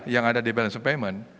yang ada di balance of payment